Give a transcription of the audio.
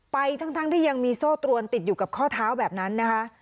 ไปทั้งที่ยังมีโซ่ตรวนติดอยู่กับข้อเท้าแบบนั้นนะคะ